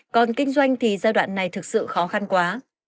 còn kinh doanh thì giai đoạn này thực sự khó khăn quá